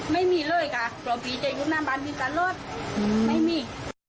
ไม่มีเลยค่ะเพราะพี่จะอยู่ในน้ำบานมีสารรถไม่มี